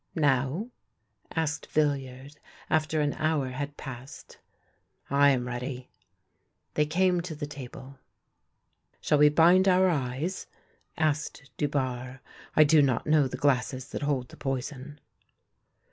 " Now ?" asked Villiard, after an hour had passed. " I am ready." They came to the table. " Shall we bind our eyes ?" asked Dubarre. " I do not know the glasses that hold the poison."